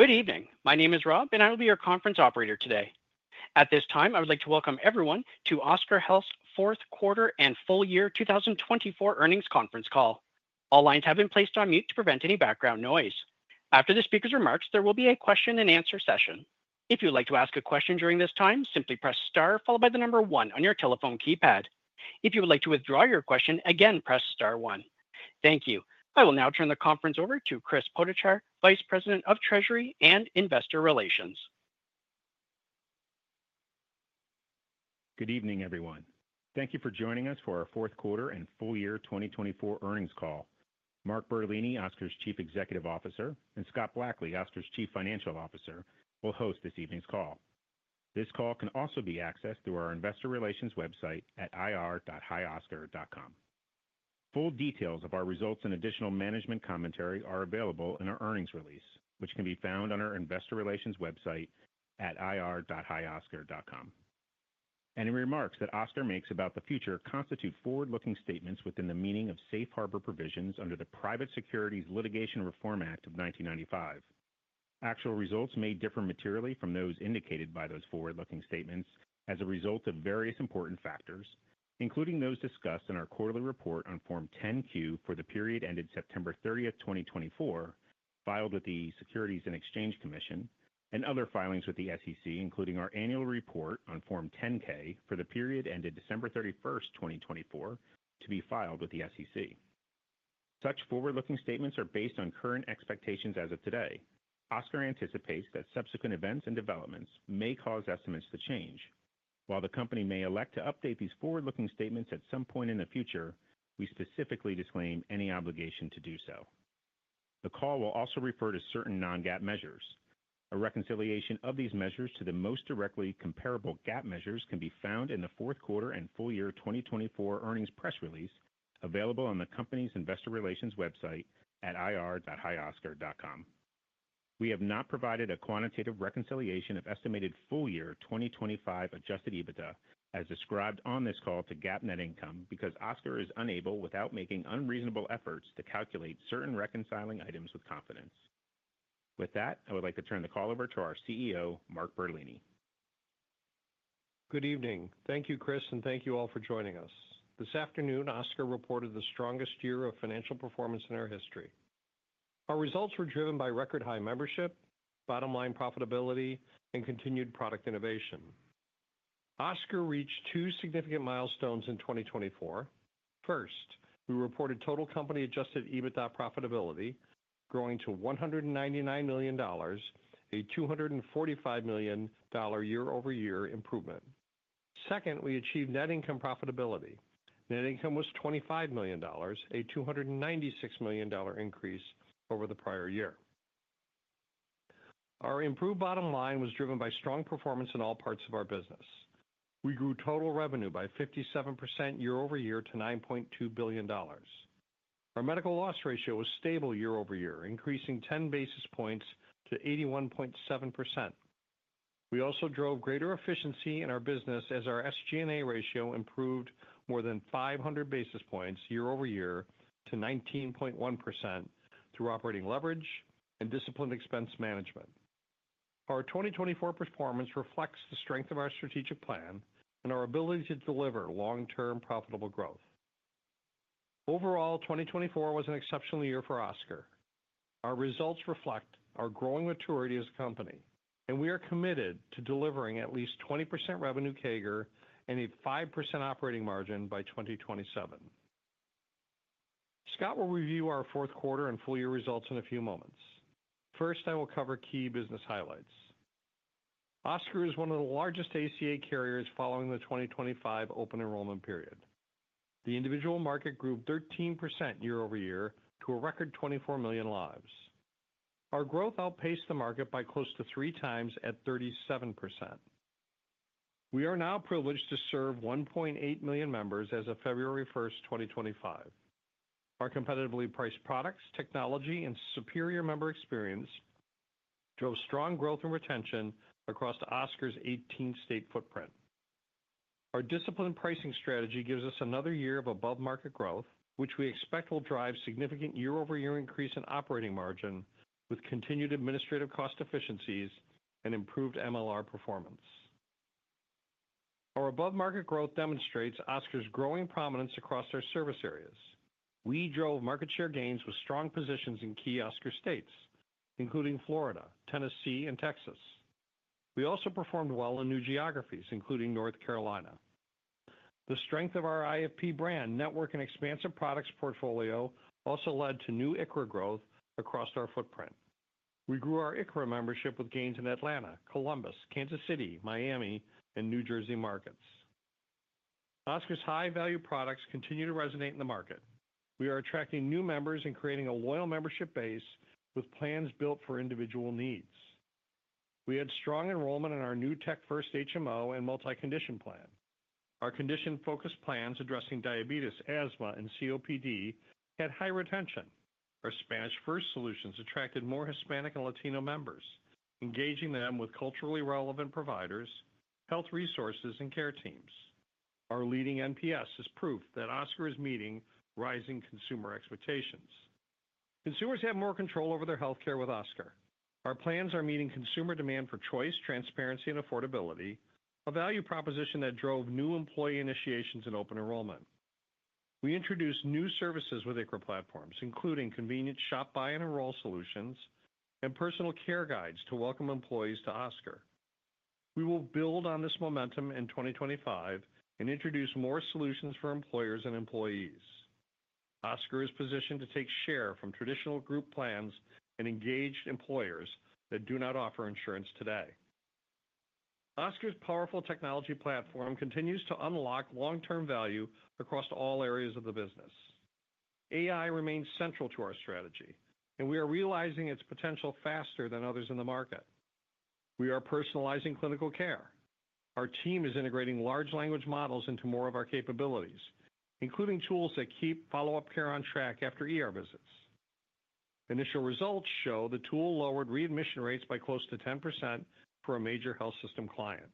Good evening. My name is Rob, and I will be your conference operator today. At this time, I would like to welcome everyone to Oscar Health's fourth quarter and full year 2024 earnings conference call. All lines have been placed on mute to prevent any background noise. After the speaker's remarks, there will be a question-and-answer session. If you would like to ask a question during this time, simply press star followed by the number one on your telephone keypad. If you would like to withdraw your question, again press star one. Thank you. I will now turn the conference over to Chris Potochar, Vice President of Treasury and Investor Relations. Good evening, everyone. Thank you for joining us for our fourth quarter and full year 2024 earnings call. Mark Bertolini, Oscar's Chief Executive Officer, and Scott Blackley, Oscar's Chief Financial Officer, will host this evening's call. This call can also be accessed through our Investor Relations website at ir.hioscar.com. Full details of our results and additional management commentary are available in our earnings release, which can be found on our Investor Relations website at ir.hioscar.com. Any remarks that Oscar makes about the future constitute forward-looking statements within the meaning of safe harbor provisions under the Private Securities Litigation Reform Act of 1995. Actual results may differ materially from those indicated by those forward-looking statements as a result of various important factors, including those discussed in our quarterly report on Form 10-Q for the period ended September 30th, 2024, filed with the Securities and Exchange Commission, and other filings with the SEC, including our annual report on Form 10-K for the period ended December 31st, 2024, to be filed with the SEC. Such forward-looking statements are based on current expectations as of today. Oscar anticipates that subsequent events and developments may cause estimates to change. While the company may elect to update these forward-looking statements at some point in the future, we specifically disclaim any obligation to do so. The call will also refer to certain non-GAAP measures. A reconciliation of these measures to the most directly comparable GAAP measures can be found in the fourth quarter and full year 2024 earnings press release available on the company's Investor Relations website at ir.oscar.health. We have not provided a quantitative reconciliation of estimated full year 2025 Adjusted EBITDA as described on this call to GAAP net income because Oscar is unable, without making unreasonable efforts, to calculate certain reconciling items with confidence. With that, I would like to turn the call over to our CEO, Mark Bertolini. Good evening. Thank you, Chris, and thank you all for joining us. This afternoon, Oscar reported the strongest year of financial performance in our history. Our results were driven by record-high membership, bottom-line profitability, and continued product innovation. Oscar reached two significant milestones in 2024. First, we reported total company-adjusted EBITDA profitability growing to $199 million, a $245 million year-over-year improvement. Second, we achieved net income profitability. Net income was $25 million, a $296 million increase over the prior year. Our improved bottom line was driven by strong performance in all parts of our business. We grew total revenue by 57% year-over-year to $9.2 billion. Our medical loss ratio was stable year-over-year, increasing 10 basis points to 81.7%. We also drove greater efficiency in our business as our SG&A ratio improved more than 500 basis points year-over-year to 19.1% through operating leverage and disciplined expense management. Our 2024 performance reflects the strength of our strategic plan and our ability to deliver long-term profitable growth. Overall, 2024 was an exceptional year for Oscar. Our results reflect our growing maturity as a company, and we are committed to delivering at least 20% revenue CAGR and a 5% operating margin by 2027. Scott will review our fourth quarter and full year results in a few moments. First, I will cover key business highlights. Oscar is one of the largest ACA carriers following the 2025 open enrollment period. The individual market grew 13% year-over-year to a record 24 million lives. Our growth outpaced the market by close to three times at 37%. We are now privileged to serve 1.8 million members as of February 1st, 2025. Our competitively priced products, technology, and superior member experience drove strong growth and retention across Oscar's 18-state footprint. Our disciplined pricing strategy gives us another year of above-market growth, which we expect will drive significant year-over-year increase in operating margin with continued administrative cost efficiencies and improved MLR performance. Our above-market growth demonstrates Oscar's growing prominence across our service areas. We drove market share gains with strong positions in key Oscar states, including Florida, Tennessee, and Texas. We also performed well in new geographies, including North Carolina. The strength of our IFP brand, network, and expansive products portfolio also led to new ICHRA growth across our footprint. We grew our ICHRA membership with gains in Atlanta, Columbus, Kansas City, Miami, and New Jersey markets. Oscar's high-value products continue to resonate in the market. We are attracting new members and creating a loyal membership base with plans built for individual needs. We had strong enrollment in our new Tech First HMO and multi-condition plan. Our condition-focused plans addressing diabetes, asthma, and COPD had high retention. Our Spanish-first solutions attracted more Hispanic and Latino members, engaging them with culturally relevant providers, health resources, and care teams. Our leading NPS has proved that Oscar is meeting rising consumer expectations. Consumers have more control over their healthcare with Oscar. Our plans are meeting consumer demand for choice, transparency, and affordability, a value proposition that drove new employee initiations and open enrollment. We introduced new services with ICHRA platforms, including convenient shop, buy and enroll solutions and personal care guides to welcome employees to Oscar. We will build on this momentum in 2025 and introduce more solutions for employers and employees. Oscar is positioned to take share from traditional group plans and engaged employers that do not offer insurance today. Oscar's powerful technology platform continues to unlock long-term value across all areas of the business. AI remains central to our strategy, and we are realizing its potential faster than others in the market. We are personalizing clinical care. Our team is integrating large language models into more of our capabilities, including tools that keep follow-up care on track after visits. Initial results show the tool lowered readmission rates by close to 10% for a major health system client.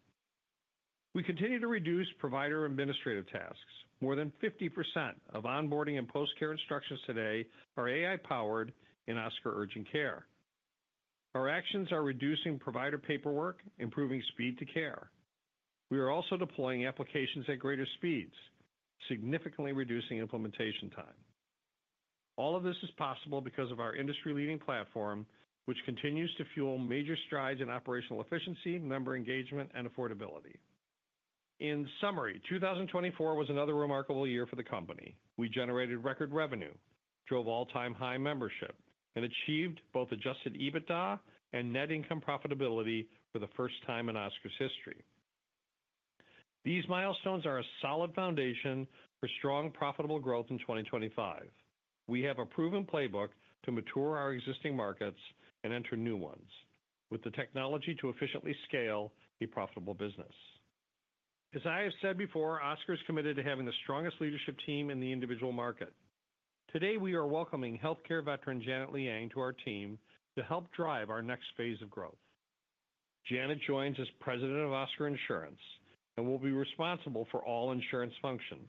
We continue to reduce provider administrative tasks. More than 50% of onboarding and post-care instructions today are AI-powered in Oscar Urgent Care. Our actions are reducing provider paperwork, improving speed to care. We are also deploying applications at greater speeds, significantly reducing implementation time. All of this is possible because of our industry-leading platform, which continues to fuel major strides in operational efficiency, member engagement, and affordability. In summary, 2024 was another remarkable year for the company. We generated record revenue, drove all-time high membership, and achieved both Adjusted EBITDA and net income profitability for the first time in Oscar's history. These milestones are a solid foundation for strong, profitable growth in 2025. We have a proven playbook to mature our existing markets and enter new ones with the technology to efficiently scale a profitable business. As I have said before, Oscar is committed to having the strongest leadership team in the individual market. Today, we are welcoming healthcare veteran Janet Liang to our team to help drive our next phase of growth. Janet joins as President of Oscar Insurance and will be responsible for all insurance functions.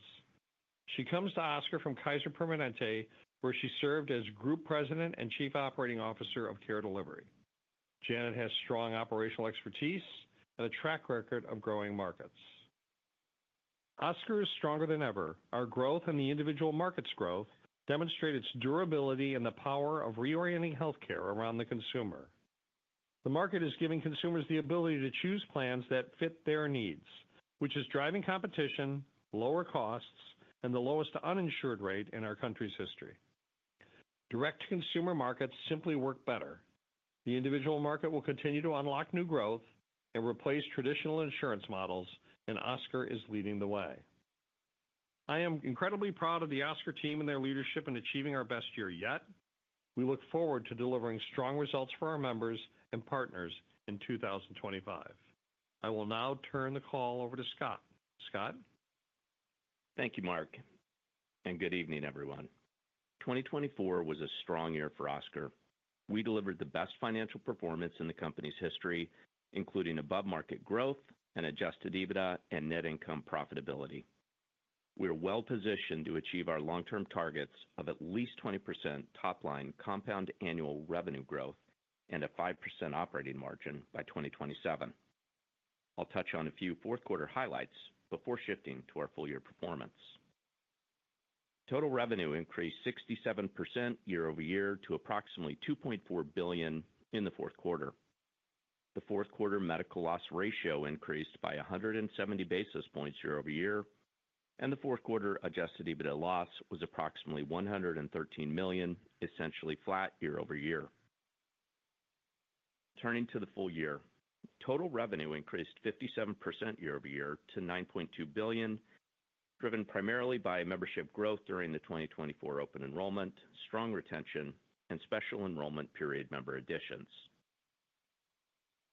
She comes to Oscar from Kaiser Permanente, where she served as Group President and Chief Operating Officer of Care Delivery. Janet has strong operational expertise and a track record of growing markets. Oscar is stronger than ever. Our growth and the individual market's growth demonstrate its durability and the power of reorienting healthcare around the consumer. The market is giving consumers the ability to choose plans that fit their needs, which is driving competition, lower costs, and the lowest uninsured rate in our country's history. Direct-to-consumer markets simply work better. The individual market will continue to unlock new growth and replace traditional insurance models, and Oscar is leading the way. I am incredibly proud of the Oscar team and their leadership in achieving our best year yet. We look forward to delivering strong results for our members and partners in 2025. I will now turn the call over to Scott. Scott. Thank you, Mark, and good evening, everyone. 2024 was a strong year for Oscar. We delivered the best financial performance in the company's history, including above-market growth and Adjusted EBITDA and net income profitability. We are well-positioned to achieve our long-term targets of at least 20% top-line compound annual revenue growth and a 5% operating margin by 2027. I'll touch on a few fourth-quarter highlights before shifting to our full-year performance. Total revenue increased 67% year-over-year to approximately $2.4 billion in the fourth quarter. The fourth-quarter Medical Loss Ratio increased by 170 basis points year-over-year, and the fourth-quarter Adjusted EBITDA loss was approximately $113 million, essentially flat year-over-year. Turning to the full year, total revenue increased 57% year-over-year to $9.2 billion, driven primarily by membership growth during the 2024 open enrollment, strong retention, and special enrollment period member additions.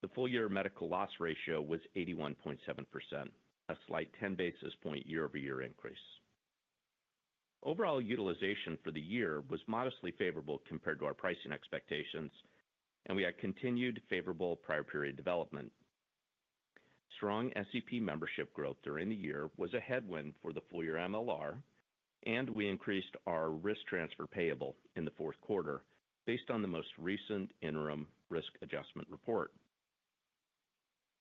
The full-year medical loss ratio was 81.7%, a slight 10 basis point year-over-year increase. Overall utilization for the year was modestly favorable compared to our pricing expectations, and we had continued favorable prior-period development. Strong SEP membership growth during the year was a headwind for the full-year MLR, and we increased our risk transfer payable in the fourth quarter based on the most recent interim risk adjustment report.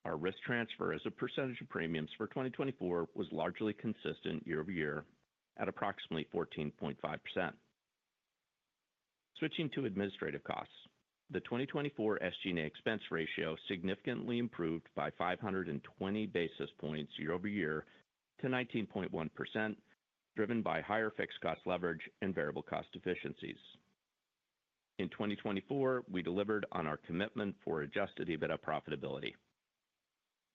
Our risk transfer as a percentage of premiums for 2024 was largely consistent year-over-year at approximately 14.5%. Switching to administrative costs, the 2024 SG&A expense ratio significantly improved by 520 basis points year-over-year to 19.1%, driven by higher fixed cost leverage and variable cost efficiencies. In 2024, we delivered on our commitment for adjusted EBITDA profitability.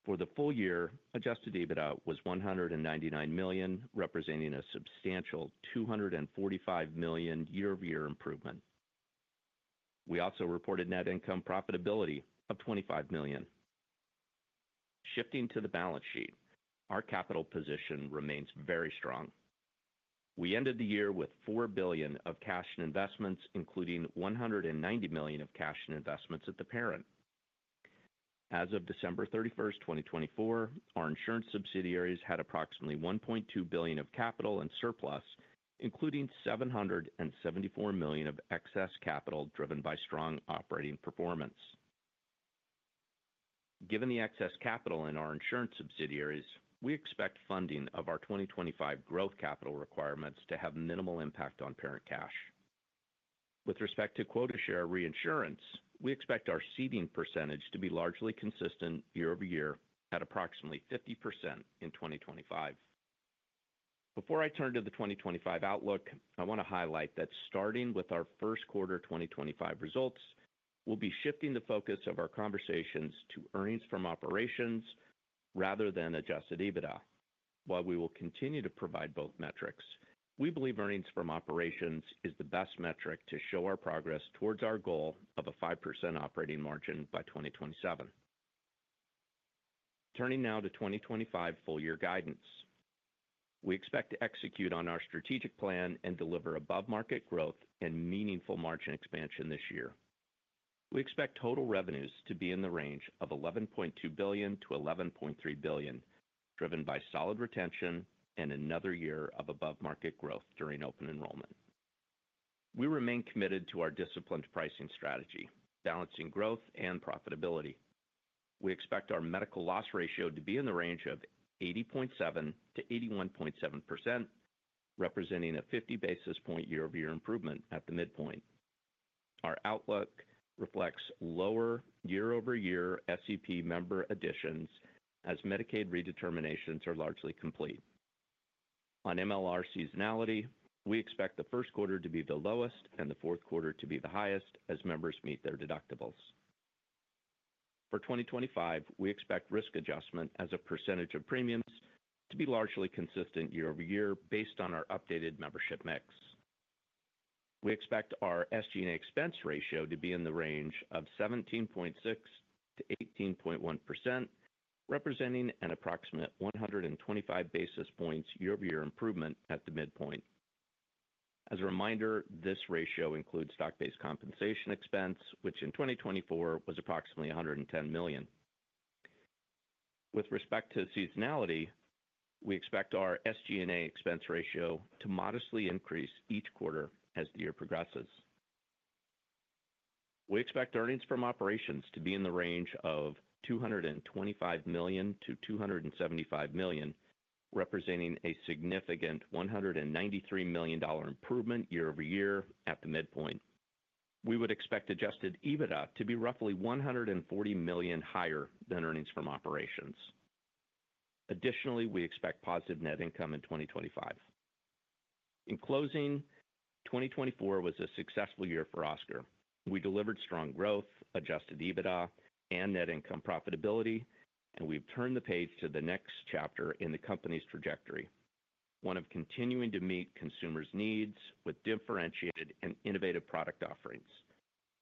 For the full year, adjusted EBITDA was $199 million, representing a substantial $245 million year-over-year improvement. We also reported net income profitability of $25 million. Shifting to the balance sheet, our capital position remains very strong. We ended the year with $4 billion of cash and investments, including $190 million of cash and investments at the parent. As of December 31st, 2024, our insurance subsidiaries had approximately $1.2 billion of capital and surplus, including $774 million of excess capital driven by strong operating performance. Given the excess capital in our insurance subsidiaries, we expect funding of our 2025 growth capital requirements to have minimal impact on parent cash. With respect to quota share reinsurance, we expect our ceding percentage to be largely consistent year-over-year at approximately 50% in 2025. Before I turn to the 2025 outlook, I want to highlight that starting with our first quarter 2025 results, we'll be shifting the focus of our conversations to earnings from operations rather than adjusted EBITDA. While we will continue to provide both metrics, we believe Earnings from operations is the best metric to show our progress towards our goal of a 5% operating margin by 2027. Turning now to 2025 full-year guidance, we expect to execute on our strategic plan and deliver above-market growth and meaningful margin expansion this year. We expect total revenues to be in the range of $11.2 billion-$11.3 billion, driven by solid retention and another year of above-market growth during open enrollment. We remain committed to our disciplined pricing strategy, balancing growth and profitability. We expect our Medical Loss Ratio to be in the range of 80.7%-81.7%, representing a 50 basis point year-over-year improvement at the midpoint. Our outlook reflects lower year-over-year SEP member additions as Medicaid redeterminations are largely complete. On MLR seasonality, we expect the first quarter to be the lowest and the fourth quarter to be the highest as members meet their deductibles. For 2025, we expect risk adjustment as a percentage of premiums to be largely consistent year-over-year based on our updated membership mix. We expect our SG&A expense ratio to be in the range of 17.6%-18.1%, representing an approximate 125 basis points year-over-year improvement at the midpoint. As a reminder, this ratio includes stock-based compensation expense, which in 2024 was approximately $110 million. With respect to seasonality, we expect our SG&A expense ratio to modestly increase each quarter as the year progresses. We expect earnings from operations to be in the range of $225 million-$275 million, representing a significant $193 million improvement year-over-year at the midpoint. We would expect adjusted EBITDA to be roughly $140 million higher than earnings from operations. Additionally, we expect positive net income in 2025. In closing, 2024 was a successful year for Oscar. We delivered strong growth, Adjusted EBITDA, and net income profitability, and we've turned the page to the next chapter in the company's trajectory, one of continuing to meet consumers' needs with differentiated and innovative product offerings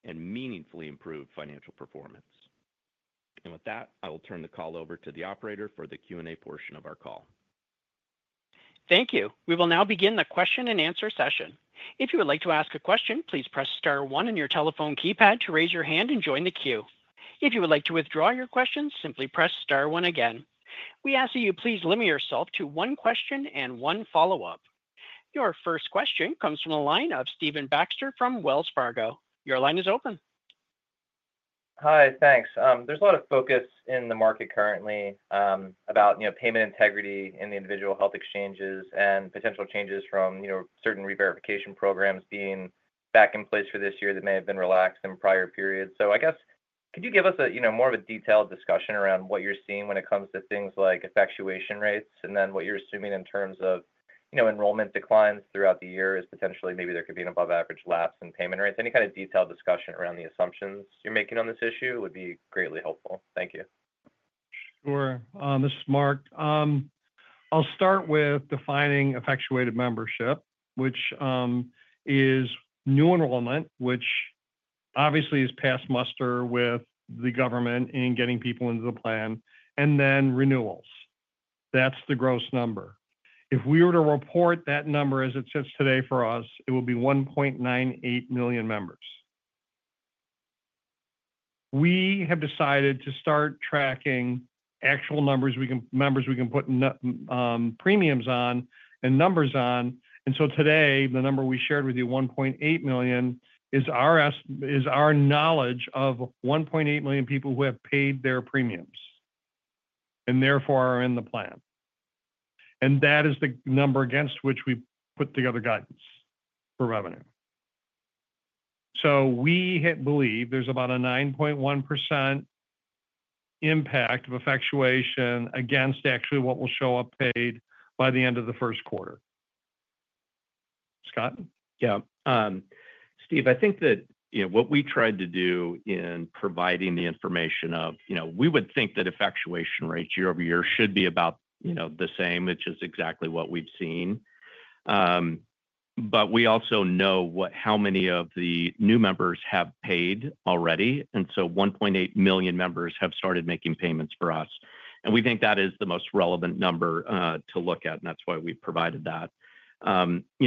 and meaningfully improved financial performance, and with that, I will turn the call over to the operator for the Q&A portion of our call. Thank you. We will now begin the question-and-answer session. If you would like to ask a question, please press star one in your telephone keypad to raise your hand and join the queue. If you would like to withdraw your questions, simply press star one again. We ask that you please limit yourself to one question and one follow-up. Your first question comes from the line of Stephen Baxter from Wells Fargo. Your line is open. Hi, thanks. There's a lot of focus in the market currently about payment integrity in the individual health exchanges and potential changes from certain re-verification programs being back in place for this year that may have been relaxed in prior periods. So I guess, could you give us more of a detailed discussion around what you're seeing when it comes to things like effectuation rates and then what you're assuming in terms of enrollment declines throughout the year as potentially maybe there could be an above-average lapse in payment rates? Any kind of detailed discussion around the assumptions you're making on this issue would be greatly helpful. Thank you. Sure. This is Mark. I'll start with defining effectuated membership, which is new enrollment, which obviously is passed muster with the government in getting people into the plan, and then renewals. That's the gross number. If we were to report that number as it sits today for us, it would be 1.98 million members. We have decided to start tracking actual numbers we can put premiums on and numbers on. And so today, the number we shared with you, 1.8 million, is our knowledge of 1.8 million people who have paid their premiums and therefore are in the plan. And that is the number against which we put together guidance for revenue. So we believe there's about a 9.1% impact of effectuation against actually what will show up paid by the end of the first quarter. Scott? Yeah. Steve, I think that what we tried to do in providing the information of we would think that effectuation rates year-over-year should be about the same, which is exactly what we've seen. But we also know how many of the new members have paid already. And so 1.8 million members have started making payments for us. And we think that is the most relevant number to look at, and that's why we provided that.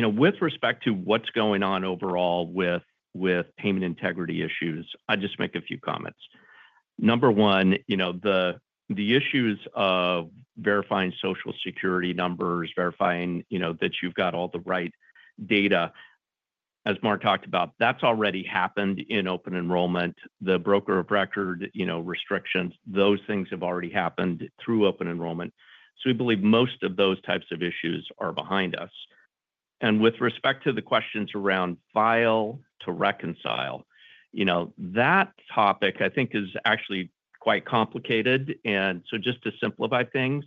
With respect to what's going on overall with payment integrity issues, I'll just make a few comments. Number one, the issues of verifying Social Security numbers, verifying that you've got all the right data, as Mark talked about, that's already happened in open enrollment. The broker of record restrictions, those things have already happened through open enrollment. So we believe most of those types of issues are behind us. With respect to the questions around file to reconcile, that topic, I think, is actually quite complicated, so just to simplify things,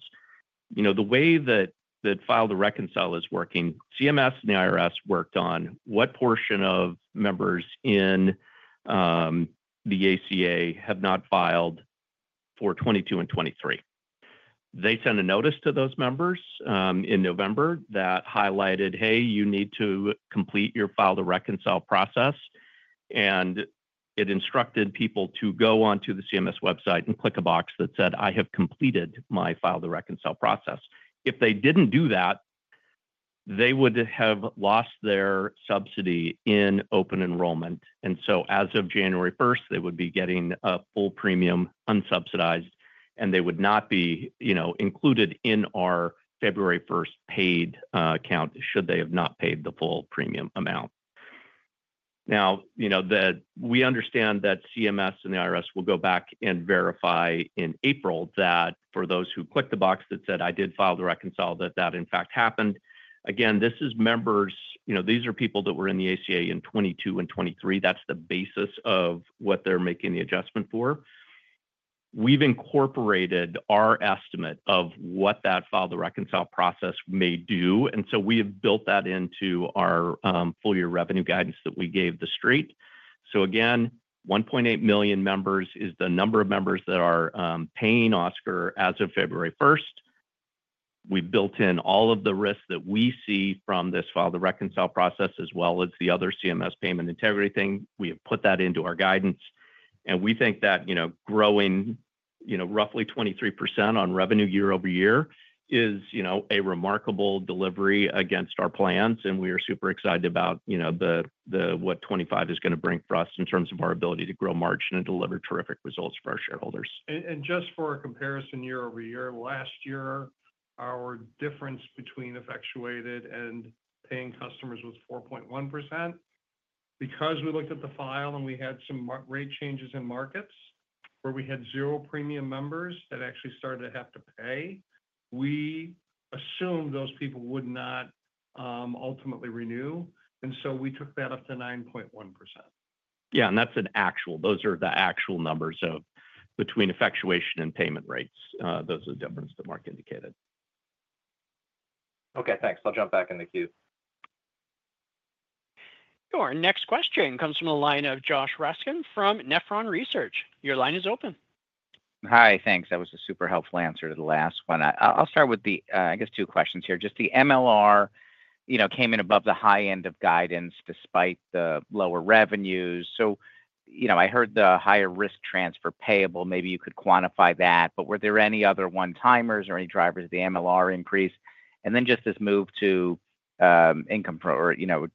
the way that file to reconcile is working, CMS and the IRS worked on what portion of members in the ACA have not filed for 2022 and 2023. They sent a notice to those members in November that highlighted, "Hey, you need to complete your file to reconcile process." It instructed people to go onto the CMS website and click a box that said, "I have completed my file to reconcile process." If they didn't do that, they would have lost their subsidy in open enrollment, so as of January 1st, they would be getting a full premium unsubsidized, and they would not be included in our February 1st paid count should they have not paid the full premium amount. Now, we understand that CMS and the IRS will go back and verify in April that for those who clicked the box that said, "I did file to reconcile," that that in fact happened. Again, this is members. These are people that were in the ACA in 2022 and 2023. That's the basis of what they're making the adjustment for. We've incorporated our estimate of what that file to reconcile process may do. And so we have built that into our full-year revenue guidance that we gave the street. So again, 1.8 million members is the number of members that are paying Oscar as of February 1st. We've built in all of the risks that we see from this file to reconcile process, as well as the other CMS payment integrity thing. We have put that into our guidance. We think that growing roughly 23% on revenue year-over-year is a remarkable delivery against our plans. We are super excited about what 2025 is going to bring for us in terms of our ability to grow margin and deliver terrific results for our shareholders. Just for a comparison, year-over-year, last year, our difference between effectuated and paying customers was 4.1%. Because we looked at the file and we had some rate changes in markets where we had zero premium members that actually started to have to pay, we assumed those people would not ultimately renew. And so we took that up to 9.1%. Yeah. And that's an actual, those are the actual numbers between effectuation and payment rates. Those are the difference that Mark indicated. Okay. Thanks. I'll jump back in the queue. Sure. Next question comes from the line of Josh Raskin from Nephron Research. Your line is open. Hi. Thanks. That was a super helpful answer to the last one. I'll start with the, I guess, two questions here. Just the MLR came in above the high end of guidance despite the lower revenues. So I heard the higher risk transfer payable. Maybe you could quantify that. But were there any other one-timers or any drivers of the MLR increase? And then just this move to income or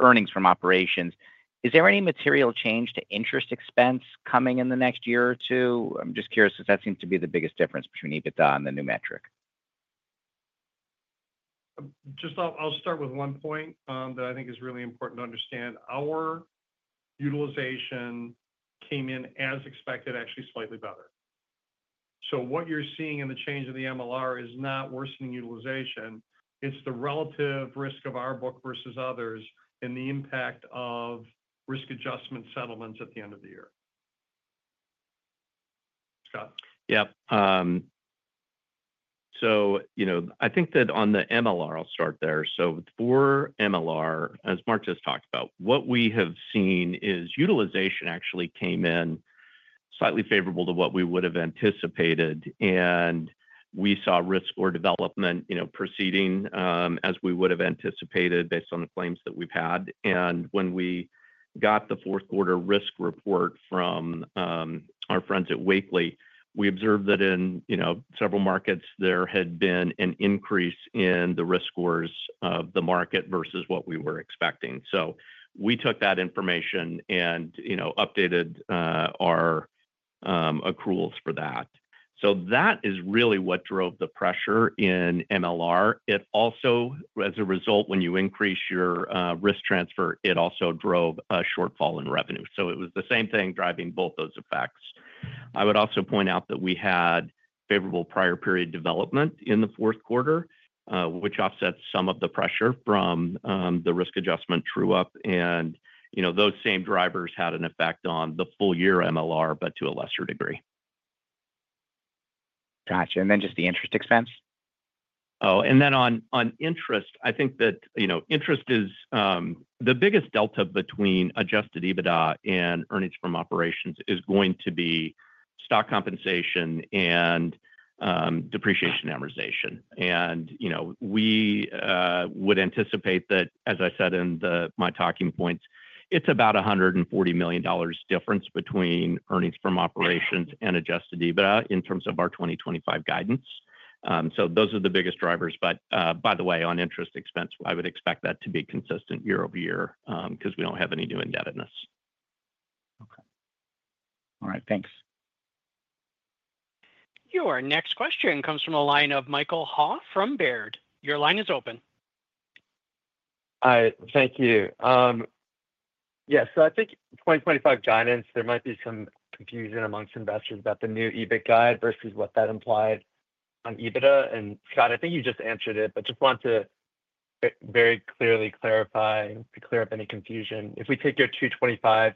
earnings from operations, is there any material change to interest expense coming in the next year or two? I'm just curious because that seems to be the biggest difference between EBITDA and the new metric. Just, I'll start with one point that I think is really important to understand. Our utilization came in, as expected, actually slightly better. So what you're seeing in the change in the MLR is not worsening utilization. It's the relative risk of our book versus others and the impact of risk adjustment settlements at the end of the year. Scott. Yeah. So I think that on the MLR, I'll start there. So for MLR, as Mark just talked about, what we have seen is utilization actually came in slightly favorable to what we would have anticipated. And we saw risk score development proceeding as we would have anticipated based on the claims that we've had. And when we got the fourth quarter risk report from our friends at Wakely, we observed that in several markets, there had been an increase in the risk scores of the market versus what we were expecting. So we took that information and updated our accruals for that. So that is really what drove the pressure in MLR. It also, as a result, when you increase your risk transfer, it also drove a shortfall in revenue. So it was the same thing driving both those effects. I would also point out that we had favorable prior-period development in the fourth quarter, which offsets some of the pressure from the risk adjustment true-up. And those same drivers had an effect on the full-year MLR, but to a lesser degree. Gotcha. And then just the interest expense? Oh. And then on interest, I think that interest is the biggest delta between Adjusted EBITDA and Earnings from operations is going to be stock compensation and depreciation amortization. And we would anticipate that, as I said in my talking points, it's about $140 million difference between Earnings from operations and Adjusted EBITDA in terms of our 2025 guidance. So those are the biggest drivers. But by the way, on interest expense, I would expect that to be consistent year-over-year because we don't have any new indebtedness. Okay. All right. Thanks. Your next question comes from the line of Michael Ha from Baird. Your line is open. Hi. Thank you. Yeah. So I think 2025 guidance, there might be some confusion among investors about the new EBIT guide versus what that implied on EBITDA. And Scott, I think you just answered it, but just want to very clearly clarify to clear up any confusion. If we take your $225-$275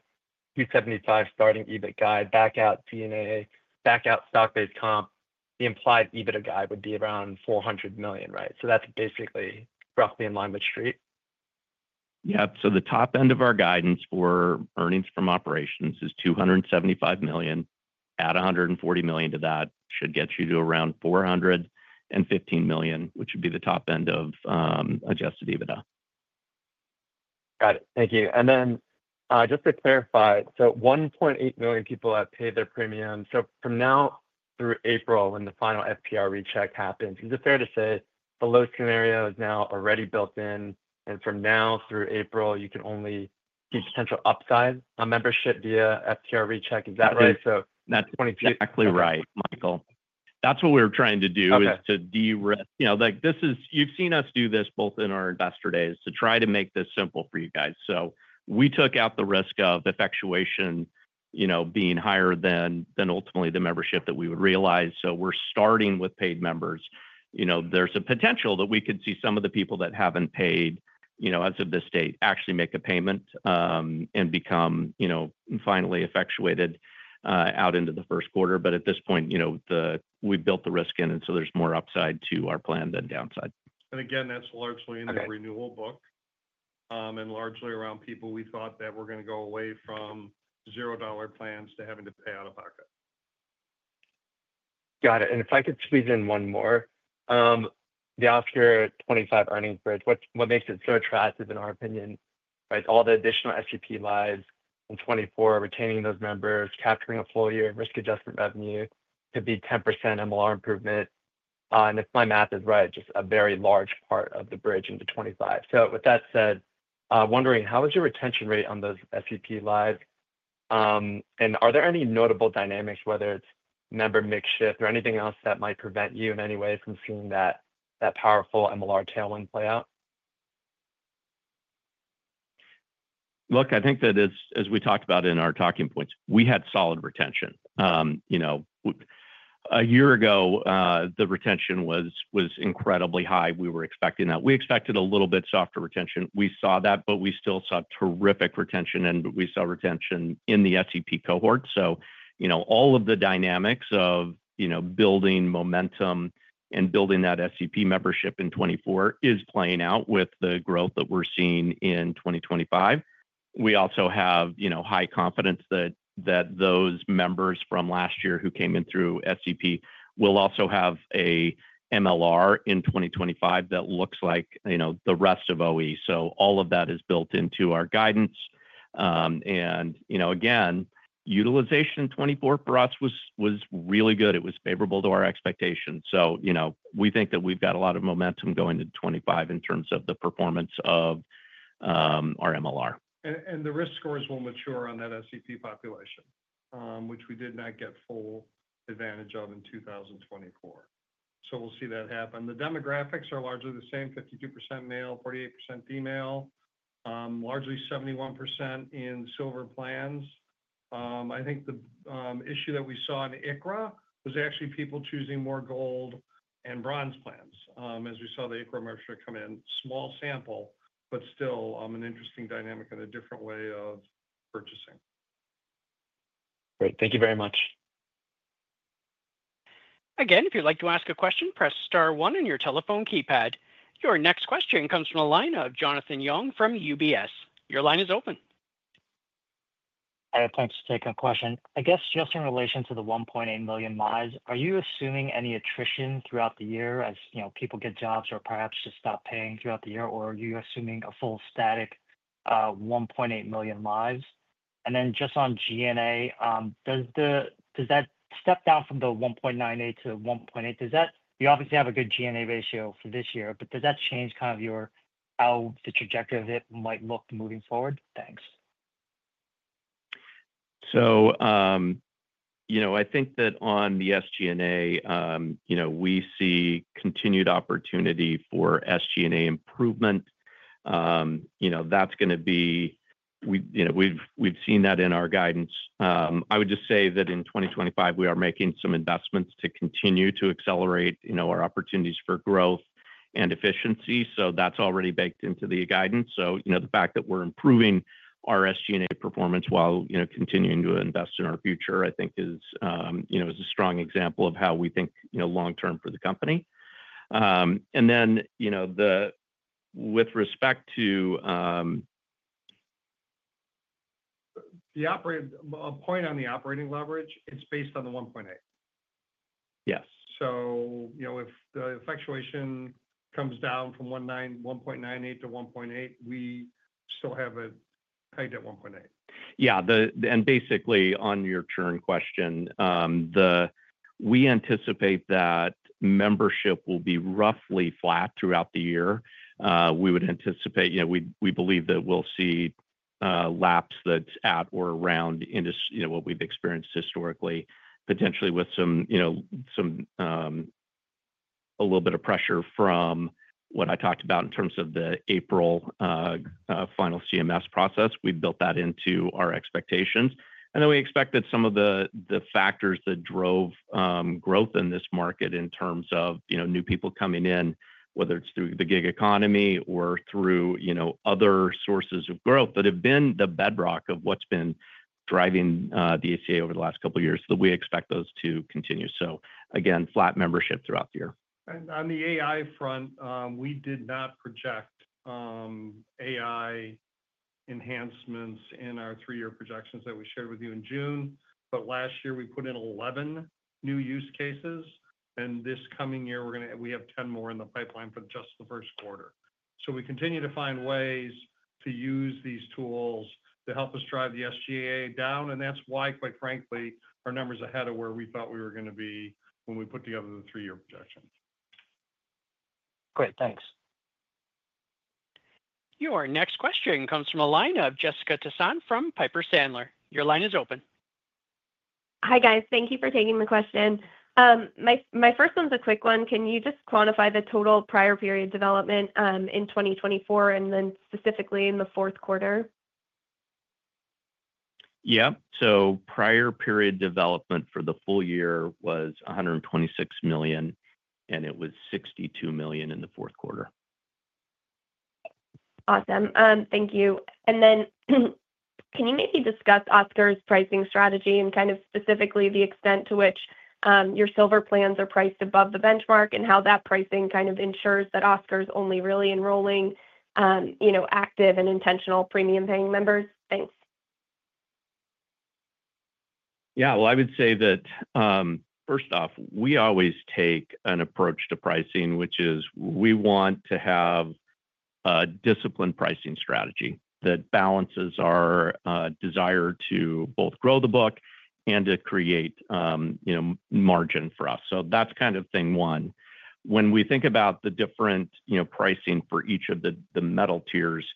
starting EBIT guide, back out D&A, back out stock-based comp, the implied EBITDA guide would be around $400 million, right? So that's basically roughly in line with street? Yeah. So the top end of our guidance for earnings from operations is $275 million. Add $140 million to that should get you to around $415 million, which would be the top end of Adjusted EBITDA. Got it. Thank you. And then just to clarify, so 1.8 million people have paid their premium. So from now through April, when the final FTR recheck happens, is it fair to say the low scenario is now already built in? And from now through April, you can only see potential upside on membership via FTR recheck. Is that right? So 22. That's exactly right, Michael. That's what we're trying to do is to de-risk. You've seen us do this both in our investor days to try to make this simple for you guys. So we took out the risk of effectuation being higher than ultimately the membership that we would realize. So we're starting with paid members. There's a potential that we could see some of the people that haven't paid as of this date actually make a payment and become finally effectuated out into the first quarter. But at this point, we've built the risk in, and so there's more upside to our plan than downside. Again, that's largely in the renewal book and largely around people we thought that were going to go away from zero-dollar plans to having to pay out of pocket. Got it. And if I could squeeze in one more, the Oscar '25 earnings bridge, what makes it so attractive in our opinion, right? All the additional SEP lives in 2024, retaining those members, capturing a full-year risk adjustment revenue could be 10% MLR improvement. And if my math is right, just a very large part of the bridge into 2025. So with that said, wondering, how is your retention rate on those SEP lives? And are there any notable dynamics, whether it's member mix shift or anything else that might prevent you in any way from seeing that powerful MLR tailwind play out? Look, I think that as we talked about in our talking points, we had solid retention. A year ago, the retention was incredibly high. We were expecting that. We expected a little bit softer retention. We saw that, but we still saw terrific retention, and we saw retention in the SEP cohort. So all of the dynamics of building momentum and building that SEP membership in 2024 is playing out with the growth that we're seeing in 2025. We also have high confidence that those members from last year who came in through SEP will also have an MLR in 2025 that looks like the rest of OE. So all of that is built into our guidance. And again, utilization in 2024 for us was really good. It was favorable to our expectations. So we think that we've got a lot of momentum going into 2025 in terms of the performance of our MLR. And the risk scores will mature on that SEP population, which we did not get full advantage of in 2024. So we'll see that happen. The demographics are largely the same: 52% male, 48% female, largely 71% in silver plans. I think the issue that we saw in ICHRA was actually people choosing more gold and bronze plans as we saw the ICHRA merger come in, small sample, but still an interesting dynamic and a different way of purchasing. Great. Thank you very much. Again, if you'd like to ask a question, press star one in your telephone keypad. Your next question comes from the line of Jonathan Yong from UBS. Your line is open. Hi. Thanks for taking the question. I guess just in relation to the 1.8 million lives, are you assuming any attrition throughout the year as people get jobs or perhaps just stop paying throughout the year? Or are you assuming a full static 1.8 million lives? And then just on SG&A, does that step down from the 1.98 to 1.8? You obviously have a good SG&A ratio for this year, but does that change kind of how the trajectory of it might look moving forward? Thanks. So I think that on the SG&A, we see continued opportunity for SG&A improvement. That's going to be. We've seen that in our guidance. I would just say that in 2025, we are making some investments to continue to accelerate our opportunities for growth and efficiency. So that's already baked into the guidance. So the fact that we're improving our SG&A performance while continuing to invest in our future, I think, is a strong example of how we think long-term for the company. And then with respect to. The point on the operating leverage, it's based on the 1.8. Yes. If the effectuation comes down from 1.98 to 1.8, we still have a hike at 1.8. Yeah. And basically, on your churn question, we anticipate that membership will be roughly flat throughout the year. We would anticipate. We believe that we'll see lapse that's at or around what we've experienced historically, potentially with a little bit of pressure from what I talked about in terms of the April final CMS process. We've built that into our expectations. And then we expect that some of the factors that drove growth in this market in terms of new people coming in, whether it's through the gig economy or through other sources of growth that have been the bedrock of what's been driving the ACA over the last couple of years, that we expect those to continue. So again, flat membership throughout the year. On the AI front, we did not project AI enhancements in our three-year projections that we shared with you in June. Last year, we put in 11 new use cases. This coming year, we have 10 more in the pipeline for just the first quarter. We continue to find ways to use these tools to help us drive the SG&A down. That's why, quite frankly, our numbers are ahead of where we thought we were going to be when we put together the three-year projection. Great. Thanks. Your next question comes from a line of Jessica Tassan from Piper Sandler. Your line is open. Hi, guys. Thank you for taking the question. My first one's a quick one. Can you just quantify the total prior-period development in 2024 and then specifically in the fourth quarter? Yeah, so prior-period development for the full year was $126 million, and it was $62 million in the fourth quarter. Awesome. Thank you, and then can you maybe discuss Oscar's pricing strategy and kind of specifically the extent to which your silver plans are priced above the benchmark and how that pricing kind of ensures that Oscar's only really enrolling active and intentional premium-paying members? Thanks. Yeah. Well, I would say that first off, we always take an approach to pricing, which is we want to have a disciplined pricing strategy that balances our desire to both grow the book and to create margin for us. So that's kind of thing one. When we think about the different pricing for each of the metal tiers,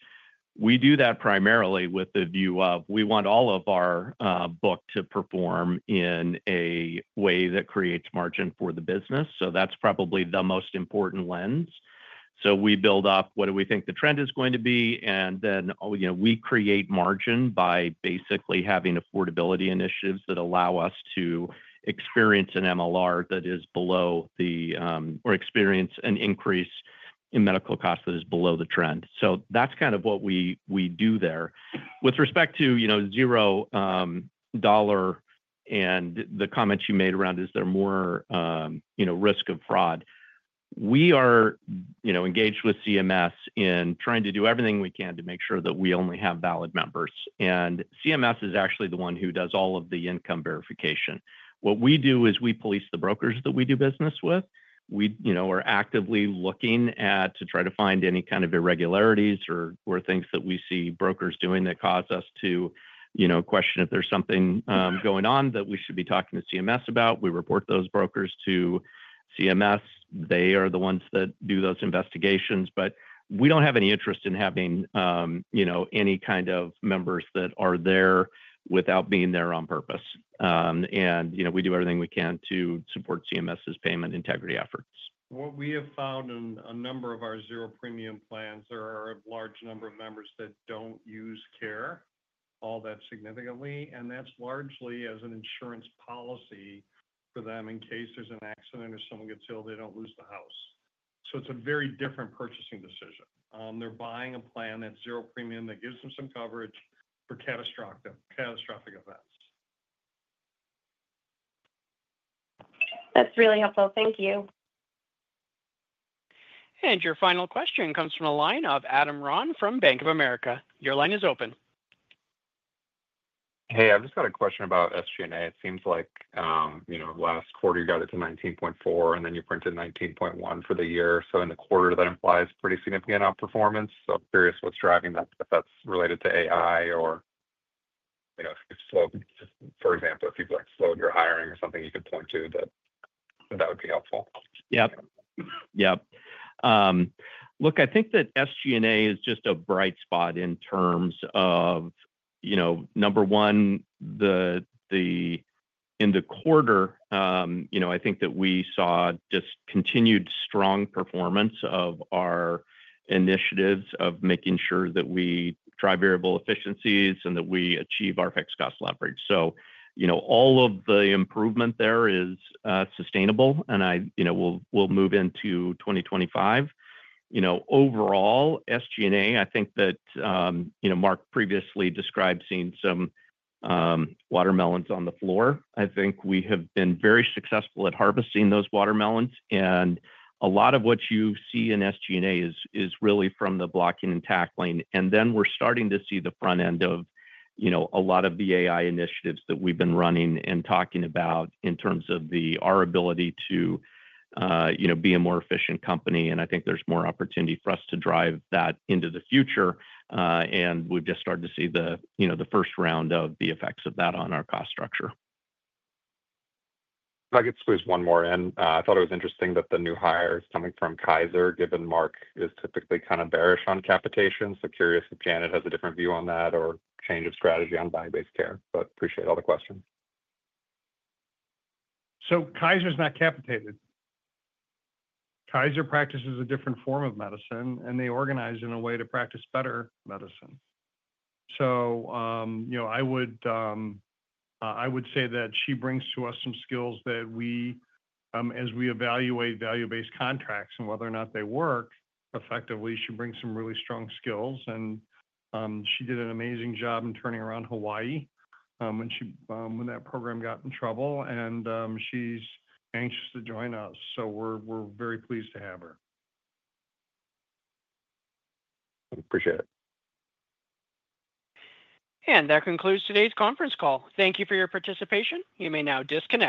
we do that primarily with the view of we want all of our book to perform in a way that creates margin for the business. So that's probably the most important lens. So we build up what do we think the trend is going to be, and then we create margin by basically having affordability initiatives that allow us to experience an MLR that is below the, or experience an increase in medical costs that is below the trend. So that's kind of what we do there. With respect to zero dollar and the comments you made around, is there more risk of fraud? We are engaged with CMS in trying to do everything we can to make sure that we only have valid members. And CMS is actually the one who does all of the income verification. What we do is we police the brokers that we do business with. We are actively looking to try to find any kind of irregularities or things that we see brokers doing that cause us to question if there's something going on that we should be talking to CMS about. We report those brokers to CMS. They are the ones that do those investigations. But we don't have any interest in having any kind of members that are there without being there on purpose. And we do everything we can to support CMS's payment integrity efforts. What we have found in a number of our zero premium plans are a large number of members that don't use care all that significantly. And that's largely as an insurance policy for them in case there's an accident or someone gets ill. They don't lose the house. So it's a very different purchasing decision. They're buying a plan that's zero premium that gives them some coverage for catastrophic events. That's really helpful. Thank you. And your final question comes from a line of Adam Ron from Bank of America. Your line is open. Hey, I just got a question about SG&A. It seems like last quarter you got it to 19.4%, and then you printed 19.1% for the year. So in the quarter, that implies pretty significant outperformance. So I'm curious what's driving that, if that's related to AI or, for example, if you've slowed your hiring or something you could point to that would be helpful. Yep. Yep. Look, I think that SG&A is just a bright spot in terms of, number one, in the quarter, I think that we saw just continued strong performance of our initiatives of making sure that we drive variable efficiencies and that we achieve our fixed cost leverage. So all of the improvement there is sustainable, and we'll move into 2025. Overall, SG&A, I think that Mark previously described seeing some watermelons on the floor. I think we have been very successful at harvesting those watermelons. And a lot of what you see in SG&A is really from the blocking and tackling. And then we're starting to see the front end of a lot of the AI initiatives that we've been running and talking about in terms of our ability to be a more efficient company. And I think there's more opportunity for us to drive that into the future. We've just started to see the first round of the effects of that on our cost structure. If I could squeeze one more in, I thought it was interesting that the new hire is coming from Kaiser, given Mark is typically kind of bearish on capitation. So curious if Janet has a different view on that or change of strategy on value-based care. But appreciate all the questions. Kaiser is not capitated. Kaiser practices a different form of medicine, and they organize in a way to practice better medicine. So I would say that she brings to us some skills that, as we evaluate value-based contracts and whether or not they work effectively, she brings some really strong skills. And she did an amazing job in turning around Hawaii when that program got in trouble. And she's anxious to join us. So we're very pleased to have her. Appreciate it. That concludes today's conference call. Thank you for your participation. You may now disconnect.